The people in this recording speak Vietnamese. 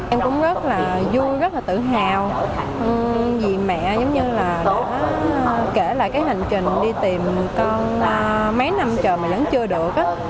em cũng rất là vui rất là tự hào vì mẹ giống như là kể lại cái hành trình đi tìm con mấy năm trời mà vẫn chưa được